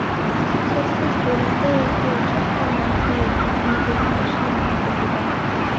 სიცოცხლის ბოლომდე იგი ოჯახთან ერთად განდევნაში იმყოფებოდა.